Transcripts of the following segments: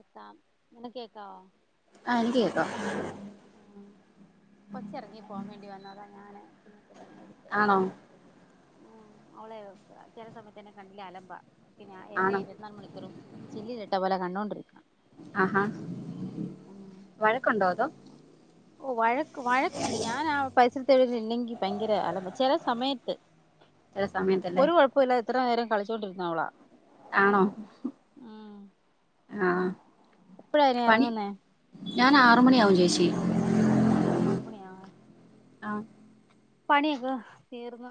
എത്താം [unintelligible] കേക്കാവോ? ആഹ് എനിക്ക് കേക്കാം ഉം കൊച്ച് എറങ്ങി പോകാൻ വേണ്ടി വന്നതാ ഞാന് പിന്നെ [unintelligible] ആണോ? ഉം അവളെ ചെല സമയത്ത് എന്നെ കണ്ടില്ലേ അലമ്പാ പിന്നെ എന്നെ ആണോ ഇരുപത്തിനാല് മണിക്കൂറും ചില്ലിലിട്ട പോലെ കണ്ടോണ്ടിരിക്കണം ആഹാ ഉം വഴക്കുണ്ടോ അതോ? ഓ വഴക്ക് വഴക്കില്ല ഞാൻ ആഹ് പരിസരത്ത് എവിടേലും ഇല്ലെങ്കിൽ ഭയങ്കര അലമ്പാ ചെല സമയത്ത് ചെല സമയത്തല്ലേ? ഇപ്പൊ ഇല്ല ഇത്ര നേരോം കളിച്ചൊണ്ടിരുന്നവളാ ആണോ ആ എപ്പഴാ ഇനി എറങ്ങുന്നേ ഞാനാറ്മണിയാവും ചേച്ചി ആറ്മണിയാ ആഹ് ആ പണിയൊക്കെ തീർന്ന്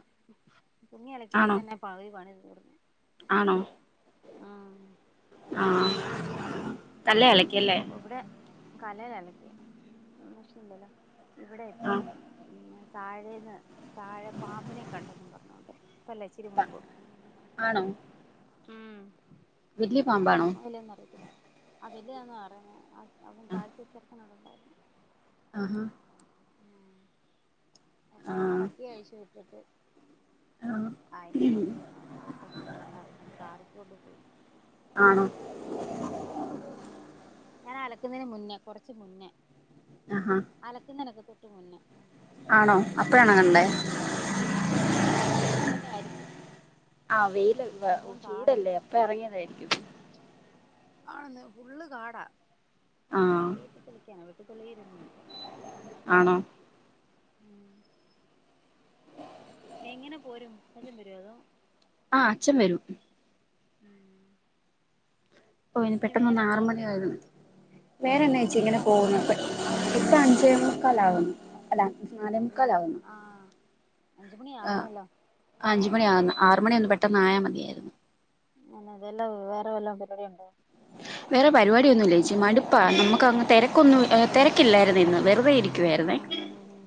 തുണി ആണോ അലക്കിയപ്പത്തന്നെ പകുതി പണി തീർന്ന് ആണോ ആഹ് ആഹ് കല്ലേ അക്കിയല്ലേ ഒഹ് ഇവിടെ കല്ലേലാ അലക്കിയെ മിഷ്യൻ ഇല്ലല്ലോ ഇവിടെ ആ ഇപ്പം താഴേന്ന് താഴെ പാമ്പിനെ കണ്ടെന്നും പർ ഞ്ഞോണ്ട് ഇപ്പല്ല ഇച്ചിരി മുമ്പ് ആണോ? ഉം വലിയ ആഹ് പാമ്പാണോ കൊന്നോ ഇല്യോന്ന് അറിയത്തില്ലാ ആഹ് വെല്യതാന്നാ പറഞ്ഞെ ആഹ് താഴത്തെ ചെറ്ക്കനവിടൊണ്ടായിരുന്നു ആഹാ ആ അപ്പാറ പട്ടിഅഴിച്ചു വിട്ടിട്ട് ആ അയിന്റെ പൊറകെ പോയപ്പോ അങ്ങാണ്ട്കണ്ടാനെ കാറിക്കോണ്ടുപോയി ആണൊ ഉം ഞാനലക്കുന്നതിന് മുന്നേ കൊറച്ച്മുന്നേ ആഹാ അലക്കുന്നേനക്ക തൊട്ട്മുന്നേ ഉം ആണോ അപ്പ ആഹ് വല്ല ചേരആയിരിക്കും ആപ്പ്ളാകണ്ടെന്ന് പർഞ്ഞെ ചേരവല്ലോ ആയിരിക്കും ആഹ് വെയിലല്ലെ മുഴുവൻ കാടല്ലേ ചൂടല്ലേ അപ്പഇറങ്ങിയതായിരിക്കും ആണെന്ന് ഫുള്ള്കാടാ ആ ആര് വെട്ടിതെളിക്കാന വെട്ടിതെളീരൊന്നു ഇല്ല ആണോ ഉം എങ്ങനെ പോരും അച്ചൻബെരൊ അതോ ആഹ് അച്ഛൻവരും ഉം ഓ ഇനി പിന്നെ വേറെ പെട്ടെന്നൊന്ന് എന്നാ ആറ് ഉണ്ട് മണിആയാൽ വേറെന്നായേച്ചി ഇപ്പ ഇങ്ങനെ പോകുന്നു സമയന്നായി ഇപ്പ അഞ്ചേമുക്കാലാവുന്നു അല്ല അഞ്ചേ മുക്കാ നാലേമുക്കലാവുന്നു ആഹ് അഞ്ച് മണി ആഹ് ആവുന്നല്ലോ ആഹ് അഞ്ച്മണി ആവുന്നു ആറ്മണി ഒന്ന് പെ ഉം അങ്ങനതല്ലാതെ വേറെ വല്ലോം പരിപാടിയുണ്ടോ വേറെ പരിപാടിയൊന്നുല്ല ചേച്ചി മടുപ്പാ നമുക്കങ്ങ് തിരക്കൊന്നും തിരക്കില്ലായിരുന്നു ഇന്ന് വെറുതെഇരി ആഹ് ആഹ് ആഹ് ആഹ്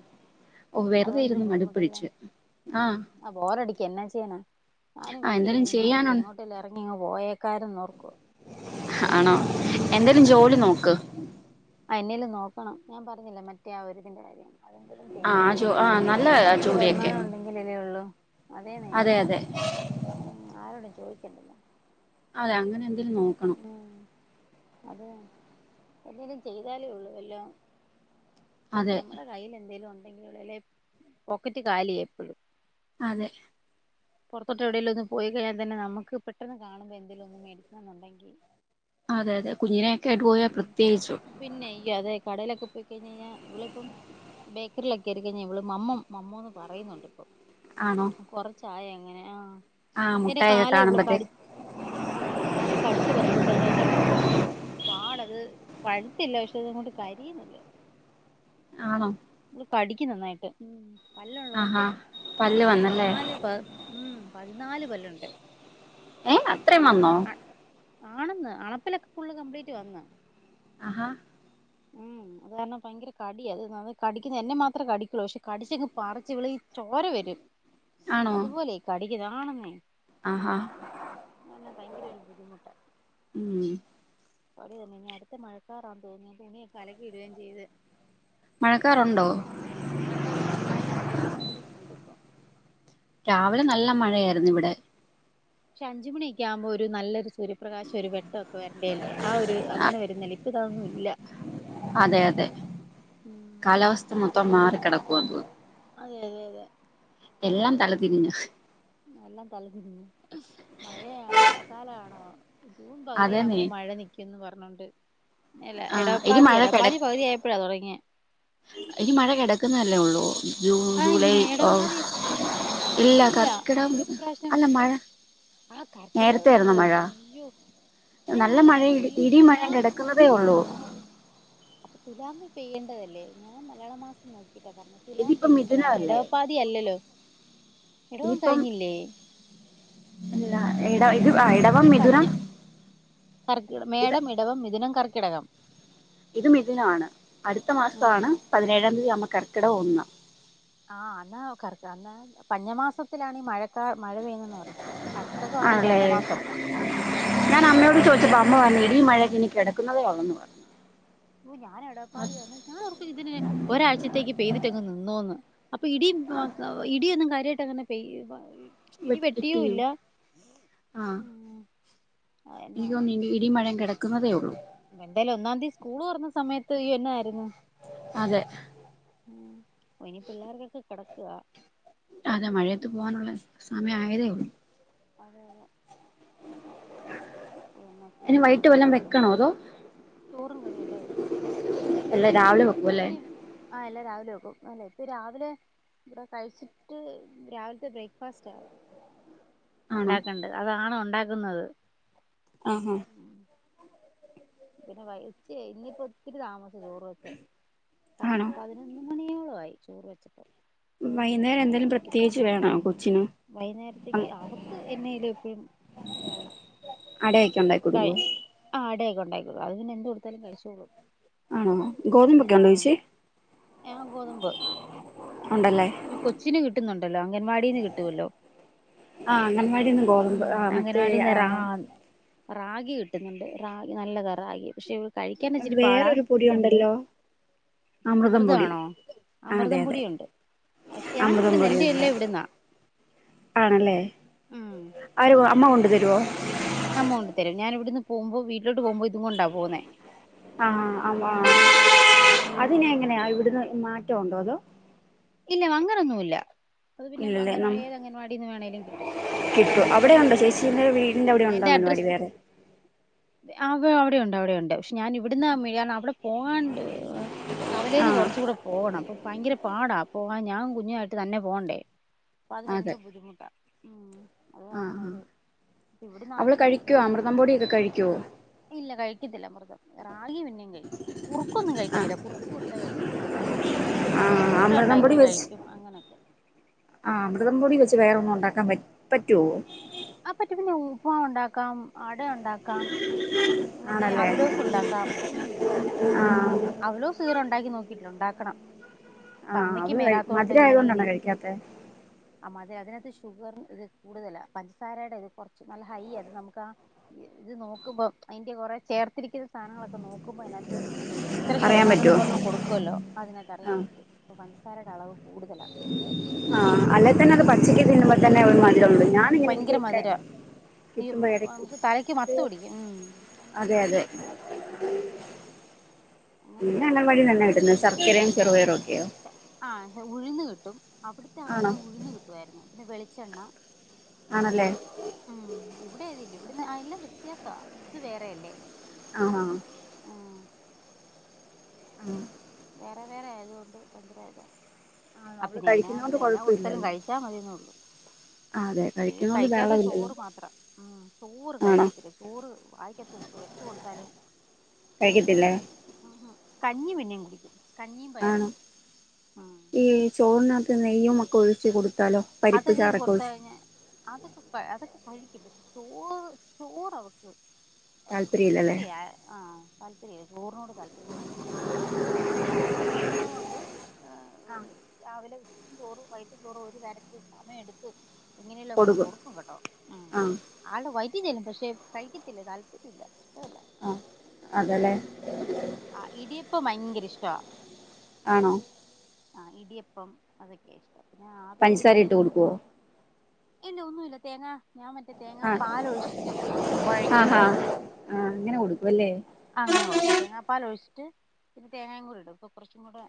വെറുതെ അതൊണ്ടൊര് ഇരുന്ന് ബുദ്ധിമുട്ടല്ലെ മടുപ്പിടിച്ച് ഉം ആഹ് അ ബോറടിക്ക എന്നാചെയ്യാനാ ഞാനും ആഹ് എന്തേലും വീട്ടീരുന്ന് ചെയ്യാനു മടുത്ത് എങ്ങോട്ടേലും ഇറങ്ങിയങ്ങ് പോയേക്കാരുന്നോർക്കുവ ആണോ എന്തേലും ഞാനെന്നെ ജോലിനോക്ക് ആ എന്നെലും നോക്കണം ഞാൻപറഞ്ഞില്ലേ മറ്റേ ആ ഒരിതിന്റെകാര്യം അതെങ്കിലും ആഹ് ചെയ്യണം ജോ ആഹ് നല്ല സ്വന്തായിട്ടൊരു ജോലിയൊക്കെ വരുമാനം ഉണ്ടെങ്കിലല്ലേഒള്ളൂ അതേന്നേ അതെ അതെ ഉം ആരോടും ചോയ്ക്കണ്ടല്ലോ അതെ അങ്ങനെ എന്തേലുംനോക്കണം ഉം അതാണ് എന്തെലും ചെയ്താലേഉള്ളൂ എല്ലാം സ്വ അതെ നമ്മുടെ കൈയിൽ എന്തേലും ഉണ്ടെങ്കിലൊള്ളു അല്ലെ പോക്കറ്റ്കാലിയ എപ്പഴും അതെ പൊറത്തോട്ട് എവിടെലും ഒന്ന് പോയികഴിഞ്ഞാതന്നെ നമുക്ക് പെട്ടെന്ന് കാണുമ്പ എന്തേലും ഒന്ന് മേടിക്കാന്നുണ്ടെങ്കി അതെ അതെ കുഞ്ഞിനെയൊക്കെ ആയിട്ട് പോയാൽ ഉം പ്രത്യേകിച്ചും പിന്നെ ഈ അതെ കടയിലൊക്കെ പോയി കഴിഞ് കഴിഞ്ഞാ ഇവളെ ഇപ്പം ബേക്കറിലൊക്കെയിരിക്കഴിഞ്ഞാ ഇവള് മമ്മം മമ്മോ എന്ന് പറയുന്നുണ്ട് ഇപ്പൊ ആണോ കൊറച്ചായങ്ങനെ ആഹ് ആഹ് എന്റെ മുട്ടായൊക്കെ കാലെ കാണുമ്പത്തേ ഇവള്കടി ആണ് കാലേ കടിച്ച് പറച്ച് [unintelligible] പാടത് പഴുത്തില്ല പക്ഷെ അത് ഇങ്ങോട്ട് കരിയുന്നില്ല ആണോ ഇവള് കടിക്കും നന്നായിട്ട് ഉം ആഹാ പല്ലുള്ളോണ്ടേ പല്ല് വന്നല്ലേ പതിനാല് പ ഉം പതിനാല് പല്ലുണ്ട് ഏയ് അത്രയും വന്നോ ആണന്ന് അണപ്പല്ലൊക്കെ ഫുള്ള് കംപ്ലീറ്റ് വന്ന് ആഹാ ഉം അത് കാരണം ഭയങ്കര കടിയ അത് അത് കടിക്കുന്നത് എന്നെ മാത്രേ കടിക്കുള്ളൂ പക്ഷേ കടിച്ചെങ്ങ് പറിച്ച് വിള് ഈ ചോര വരും ആണോ അതുപോലെ കടിക്ക്ന്നാണമ്മേ ആഹാ ആൽ ഭയങ്കര ഒരു ബുദ്ധിമുട്ട് ഉം പണി തന്നെ ഇനി അടുത്ത മഴക്കാറാ തോ ഞാൻ തുണിയൊക്കെ അലക്കി ഇടുകയും ചെയ്ത് മഴക്കാറുണ്ടോ മഴക്കാർ ചെറുതായിട്ടുണ്ട് ഇവിടെ മൂടിയിട്ടുണ്ട് ഇപ്പൊ രാവിലെ നല്ല മഴയായിരുന്നു ഇവിടെ പക്ഷെ അഞ്ച് മണി ഒക്കെ ആകുമ്പോ ഒരു നല്ലൊരു സൂര്യ പ്രകാശം ഒരു വെ ട്ടൊക്കെ വരണ്ടേല്ലേ ആ ഒരു അങ്ങനെ വരുന്നൽ ഇപ്പ ഇതൊന്നും ഇല്ല അതെ അതെ ഉം കാലാവസ്ഥ മൊത്തം മാറിക്കിടക്കുവാ ഇപ്പൊ അതെ അതെ അതെ എല്ലാം തല തിരിഞ്ഞ എല്ലാം തലതിരിഞ്ഞു മഴയ മഴക്കാലാണോ ജൂൺ അതേന്നെ പകുതിയാകുമ്പോൾ മഴ നിക്കുംന്ന് പറഞ്ഞോണ്ട് അല്ല ആഹ് ഇനി എടവപ്പാതി മഴ എടവപ്പാതി പകുതിയായ ഇപ്പഴാ തുടങ്ങിയ ഈ മഴ കിടക്കുന്നതല്ലേ ഉള്ളൂ ജൂൺ ആ ജൂലൈ എങ്ങനെ ഓ എടപ്പാതി ഇല്ല കർക്കിടം ഇപ്രാവശ്യം അല്ല മഴ ആ കർക്കിടക നേരത്തെ ആയിരുന്നോ ഉണ്ടല്ലോ മഴ അയ്യോ ഏ നല്ല അല്ല മഴ തുല ഇടി മഴ തുലാം കിടക്കുന്നതേ ഉള്ളൂ തുലാം അപ്പൊ തുലാമി പെയ്യേണ്ടതല്ലേ ഞാൻ മലയാള മാസം നോക്കി പറഞ്ഞ തുലാം ഇതിപ്പോ പെയ്യേണ്ടതാണ് മിഥുനമല്ലേ ഇടവപ്പാതി അല്ലല്ലോ ഇടവം കഴിഞ്ഞില്ലേ ഇല്ല എട ഇ എടവം മിഥുനം കർക്കി ഇത് മേടം ഇടവം മിഥുനം കർക്കിടകം ഇത് മിഥുനാണ് അടുത്ത ഉം മാസമാണ് പതിനേഴാം തീയതി ആമ്മ കർക്കിടം ഒന്ന് ആഹ് അന്ന് കർ അന്ന് പഞ്ഞമാസത്തിലാണ് ഈ മഴക്കാർ മഴ പെയ്യുന്നെന്ന് പറഞ്ഞത് കർക്കിടകമാണ് ഈ ആണല്ലേ പഞ്ഞമാസം ഉം ഞാൻ അമ്മയോട് ചോദിച്ചപ്പോ അമ്മ അങ്ങനെയാ പറഞ്ഞ് പറ ഇടിം മഴക്കെ ഇനിക്കിടക്കുന്നതേ ഉള്ളന്ന് പറ ഓ ഞാൻ എടവപ്പാതി ഞാനോർക്കും ഇതിന് ഒരാഴ്ചത്തേക്ക് പെയ്ത്ട്ടെങ് നിന്നോന്ന് അപ്പൊ ഇടി ഇടിയൊന്നും കാര്യായിട്ട് അങ്ങനെ പെയ് ഇടി വെട്ടിയൂല്ല ഉം അയന്നാണ് ഇടിം മഴിം കെടക്കുന്നതേ ഉള്ളൂ എന്താലും ഒന്നാന്തി സ്കൂൾ തുറന്ന സമയത്ത് എന്നായിരുന്നു അതെ ഉം ഇനി പിള്ളേർക്കൊക്കെ കിടക്കാ അതെ മഴയത്ത് പോകാനുള്ള സമയം ആയതേള്ളൂ അതെ അതെ എന്നാ എനി ചെയ്യാനാ വൈകിട്ട് വല്ലതും വയ്ക്കണോ അതോ ചോറും കറിയെല്ലാം ഇരിപ്പുണ്ട് അല്ല രാവിലെ വെക്കും അല്ലേ കൊച്ചിനി ആഹ് എല്ലാം രാവിലെ വെക്കും അല്ലേ ഇപ്പൊ രാവിലെ ഇവിടെ കഴിച്ചിട്ട് രാവിൽത്തെ ബ്രേക്ക്ഫാസ്റ്റ് ആവും ആണോ ഉണ്ടാക്കണ്ട് അതാണ് ഉണ്ടാക്കുന്നത് ആഹാ പിന്നെ വച്ച് ഇനിപ്പോ ഒത്തിരി താമസം ചോറ് വെച്ചേ ആണോ പത്ത്പതി മൂന്നു മണിയോളം ആയി ചോറ് വെച്ചില്ല വൈകുന്നേരം എന്തേങ്കിലും പ്രത്യേകിച്ച് വേണോ കൊച്ചിന് വൈകുന്നേരത്തേക്ക് അവക്ക് എന്തെങ്കിലും എപ്പോഴും വേണം അടൊക്കെ ഉണ്ടായി കഴി കൊടുകോ ആ അടയയിക്കോ ഉണ്ടക്കോക്കൂ അത് പിന്നെ എന്ത് കൊടുത്താലും കഴിച്ചോള്ളും ആണോ ഗോതുമമ്പൊക്കെ ഉണ്ടോ ചേച്ചി ആ ഗോതമ്പ് ഉണ്ടല്ലേ കൊച്ചിന് കിട്ടുന്നുണ്ടല്ലോ അംഗൻവാടിന്ന് കിട്ടുമല്ലോ ആ അംഗൻവാടിന്ന് ഗോതമ്പ് ഉം ആ മറ്റേ അംഗനവാടി ആ ആഹ റാഗി കിട്ടുന്നുണ്ട് റാഗി നല്ലതാ റാഗി പക്ഷെ കഴിക്കാനച്ചിരി പാടാ വേറൊരു പൊടി ഉണ്ടല്ലോ അമൃതം പൊടി അമൃതമാണോ ആ അതെ അതെ അമൃതംപൊടിയുണ്ട് പക്ഷെ ഞാൻ അമൃതം ഇവിടന്ന് എന്റെ പൊടിയുണ്ട് എല്ലാം ഇവിടുന്നാ ആണല്ലേ ഉം ആര അമ്മ കൊണ്ടു തരുവോ അമ്മ കൊടുന്നു തരും ഞാൻ ഇവിടുന്ന് പോകുമ്പോൾ വീട്ടിലേക്ക് പോകുമ്പോൾ ഇത് കൊണ്ടാ പോുന്നേ ആ ആ ആ [inaudible] അതിനെ എങ്ങനെയാ ഇവിടുന്ന് മാറ്റം ഉണ്ടോ അതോ ഇല്ല അങ്ങനൊന്നുമ ഇല്ല അത് പിന്നെ അംഗൻവാടിയ ഏത് അംഗൻവാടിന്ന് വേണമെങ്കിലും കിട്ടും [inaudible] അവിടെയാണോ ഉം ചേച്ചിയുടെ വീടിന്റെ അവിടെ ഉണ്ടോ എന്റെ അംഗൻവാടി അഡ്രസ്സ് വേറെ ആ അവിടെയുണ്ട് അവിടെയുണ്ട് പക്ഷെ ഞാൻ ഇവിടുന്ന് വെടിക്കാർ അവിടെ പോകണ്ട് കവലയിൽ ആ നിന്ന് കുറച്ച കൂടെ പോകണം അപ്പ ഭയങ്കര പാടാ പോകാൻ ഞാൻ കുഞ്ഞു ആയിട്ട് തന്നെ പോണ്ടേ അതെ വന്നെങ്കിലും പോവൂടാ ഉം അത് ആ കാരണം ആ ഇവിടെ അവള് ആകുമ്പോൾ കഴിക്കുവോ ഇവിടെ അമൃതം പൊടിയൊക്കെ കഴിക്കുവോ ഇല്ല കഴിക്കത്തില്ല അമൃതം റാഗി പിന്നെയും കഴിക്കും കുറുക്കൊന്നും കഴിക്കത്തില്ല കുറുക്ക് കൊടുത്താ കഴിക്കത്തില്ല ഈ ആഹ കൊഴുക്കട്ട അമൃതം പൊടി ഉണ്ടാക്കിയ വെച്ച് കഴിക്കും അങ്ങനെയൊക്കെ അമൃതം പൊടി വെച്ച് വേറെ ഒന്നും ഉണ്ടാക്കാൻ പ പറ്റുവോ ആ പറ്റി പിന്നെ ഉപ്പുമാവ് ഉണ്ടാക്കാം അട ഉണ്ടാക്കാം മറ്റേ അവലോസം ഉണ്ടാക്കാം ഉ ഉം ആഹ്ഹേ അവലോസ് ഇതുവരെ ഉണ്ടാക്കി യില്ല നോക്കിയിട്ടു ഉണ്ടാക്കണം ആഹ് അമ്മയ്ക്ക് അവള് കഴി മേലാത്തൊണ്ട് മധുരം ഞൻ ഇനി ആയതുകൊണ്ടാണോ ഇരിക്കു കഴിക്കാത്തെ ആ അതെ അതേ അതിനകത്ത് ഷുഗർ ഇത് കൂടുതല പഞ്ചസാരയുടെ ഇത് കുറച്ച് നല്ല ഹൈ അത് നമുക്ക് ആ ഇത് നോക്കുമ്പോ അതിന്റെ കൊറെ ചേർത്തിരിക്കുന്ന സാധനങ്ങളൊക്കെ നോക്കുമ്പോ അതിനകത്ത് ഇത്ര പറയാൻ ശതമാനം എന്ന് പറ്റുവോ പറഞ്ഞ് കൊടുക്കുമല്ലോ അതിനകത്ത് അറിയാൻ ആഹ് പറ്റും ഇപ്പോൾ പഞ്ചസാരയുടെ അളവ് കൂടുതലാ ആഹ് അല്ലേ തന്നെ അത് പച്ചക്കക്ക് തിന്നുമ്പോ തന്നെ അവ മതിയാേ ഉള്ളൂ ഞാൻ ഭയങ്കര മധുര ഈ ഇടക്ക് നമുക്ക് തലക്ക് മത്ത പിടിക്കും ഉം അതെ അതെ ഉം [unintelligible] പിന്നെ അങ്കലവാടി വഴി തന്നെ കിട്ടുന്നത് ശർക്കരയും ചെറുപയറോ ഒക്കെയോ ആഹ ഉഴുന്ന് കിട്ടും അവിടുത്തെ ആണോ അവിടുത്താണ് ഉഴുന്ന് കിട്ടുവായിരുന്നു പിന്നെ വെളിച്ചെണ്ണ ആണല്ലേ ഉം ഇവിടെ എല്ലാം കിട്ടുന്നു അതിൽ ഇവിടെന്ന് എല്ലാം വ്യത്യാസ ഇത് വേറെയല്ലേ ആഹാ ആഹ് ആ [inaudible] വേറെ വേറെ ആയതുകൊണ്ട് ഭയങ്കര ഇതാ ആഹ് അ അവള് പിന്നെ എന്നാല്ല കഴിക്കുന്നോണ്ട് എന്നാ കൊഴപ്പ കൊടുത്താലും ഇല്ലല്ലോ കഴിച്ചാ മതിന്നോള്ളു ആഹ് അതെ കഴിക്കുന്നോണ്ട് കഴിക്കാത്ത ബഹളമില്ലല്ലോ ചോറ് മാത്ര ഉം ചോറ് ആണോ കഴിക്കത്തില്ല ചോറ് വായി- ക്കത്ത് വെച് കൊട്ത്താലും കഴിക്കത്തില്ല ഉം ഉം കഞ്ഞി പിന്നേം കുടി ആണോ ഉം ഈ ചോറ്നകത്ത് നെയ്യും ഒക്ക ഒഴിച്ച് കൊടുത്താലോ പരിപ്പ് അതക്ക ചാറൊക്കെ കൊടുത്ത് ഒഴിച്ച് കഴിഞാ അതക്കെ അതക്കെ കഴിക്കും പക്ഷെ ചോ ചോറ് അവക്ക് അപ്പൊ താല്പര്യമില്ലല്ലേ ഇഷ്ടേ ആ താല്പര്യല്ല ചോർനോട് താല്പര്യം പിന്നെ അരി ആഹാരം കൊടുക്കണ്ടത് കൊണ്ട് ആ രാവിലെ ഉച്ചക്കും ചോറു വൈകിട്ട് ചോറും ഒരു തര്ത്തില് സമയം എട്ത്ത് എങ്ങനെയല്ലോ ഒക്ക കൊടുക്കും കേട്ടോ ഉം ആഹ് ആൾടെ വൈറ്റി ചെല്ലും പക്ഷെ കയിക്കത്തില്ല താല്പര്യല്ല ആ അതെ ലെ ആ ഇടിയപ്പ ഭയങ്കര ഇഷ്ടവാ ആണോ ആ ഇടിയപ്പം അതെക്കെയ ഇഷ്ടം പിന്നെ ആവി- പഞ്ചസാര ഇട്ട് പുഴുങ്ങിയത് കൊടുക്കുവോ ഇല്ല ഒന്നു ഇല്ല തേങ്ങാ ഞാൻ മറ്റേ തേങ്ങാ ആഹ് പാലൊഴിച്ചിട്ട് കോഴക്കും ആഹാ ആഹ് അങ്ങനെ കൊടുക്കുവല്ലേ അങ്ങനെ കൊടുക്കും തേങ്ങാപ്പാല ഒഴിച്ചിട്ട് പിന്നെ തേങ്ങായും കൂടി ഇടും അപ്പ കൊർച്ചും കൂടെ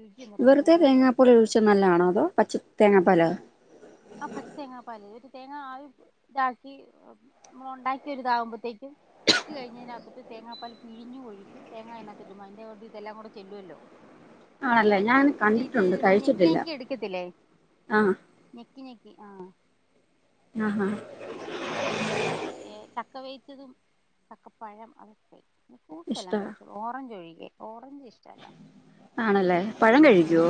രുചി അന്നേരം വെറ്ത കൂടുമല്ലോ തേങ്ങാപ്പൽ ഒഴിച്ച നല്ലാണോ അതോ പച്ച തേങ്ങാപ്പാലോ ആ പച്ച തേങ്ങാ പാല് ഒരു തേങ്ങാ ആ താക്കി ഉണ്ടാക്കി ഒരിതാവുമ്പോത്തേക്കും ഇട്ട് കഴിഞ്ഞയിഞ്ഞാ അപ്പർത്ത് തേങ്ങാപ്പാല് പിഴിഞ്ഞു ഒഴിക്കും തേങ്ങ അഴിനകത്ത് ഇടുമ്പം അഴിന്റെ കൂട്ടത്തിൽ ഇതെല്ലാം കൂടെ ചെല്ലുവല്ലോ ആണല്ലേ ഞാന് കണ്ടിട്ടുണ്ട് ഞെക്കി കഴിച്ചിട്ടില്ല ഞെക്കി എടുക്കത്തില്ലേ ആ ഞെക്കി ഞെക്കി ആ ആ ഹാ ഉം പിന്നെ എ ചക്ക വെഴിച്ചതും ചക്കപ്പഴം അതൊക്കെ ഫ്രൂട്സ് എല്ലാം ഇഷ്ടാ കഴിചോളും ഓറഞ്ച് ഒഴികെ ഓറഞ്ച് ഇഷ്ടല്ല ആണല്ലേ പഴം കഴിക്കൊ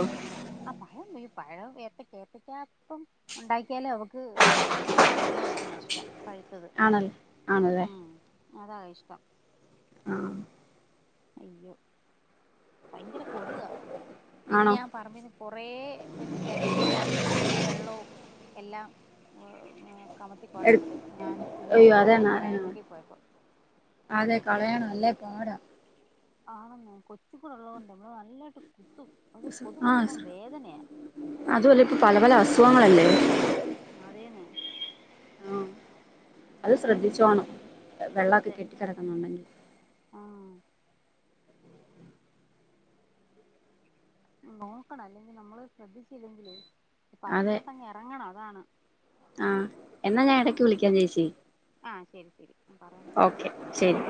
ആ പഴം പ പഴം ഏത്തക്ക ഏത്തക്കാ അപ്പം ഉണ്ടാക്കിയാല് അവക്ക് ഏത്തക്കാ തന്നെ കഴിക്കുന്നതാ ഇഷ്ടം പഴുത്തത് ആണല്ലേ ആണല്ലേ ഉം അതാ ഇഷ്ടം ആ അയ്യോ ഭയങ്കര കൊതുക പിന്നെ ആണോ ഞാൻ പറമ്പീന്ന് കൊറേ മറ്റേ ചെരട്ടക്കകത്ത്ന്ന് വെള്ളവും എല്ലാം കമത്തി എടു കോറയിട്ട് ഞാന് കുഞ്ഞിൻ്റെ അയ്യോ ഇത് കൊണ്ട് അതെന്നാ കളയാം വേണ്ടി പോയപ്പോ അതെ കളയാൻ അല്ലെ പാടാ ആണന്നെ കൊച്ചിക്കൂടള്ളോണ്ടെ നമ്മളെ നല്ലായിട്ട് കുത്തും അത് കൊതു ആ കുത്തുമ്പം വേദനയാ അതു അല്ല ഇപ്പൊ പല പല അസുഖങ്ങളല്ലേ അതെ ന്നെ ആ അത് ശ്രദ്ധിചോണം വെള്ളക്ക കെട്ടികെടക്കുന്നുണ്ടെങ്കിൽ ആ നോക്കണം അല്ലെങ്കി നമ്മള് ശ്രദ്ധിച്ചില്ലെങ്കില് അതെ പറത്തിലോട്ടങ്ങ് എറങ്ങണം അതാണ് ആഹ് എന്നാ ഞാൻ എടക്ക് വിളിക്കാൻ ചേച്ചി ആഹ് ശരി ശരി ഞാൻ പറയാൻ പറ്റ ഓക്കെ ശരി